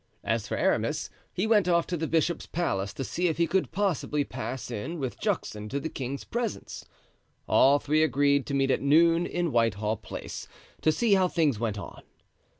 As for Aramis, he went off to the bishop's palace to see if he could possibly pass in with Juxon to the king's presence. All three agreed to meet at noon in Whitehall Place to see how things went on.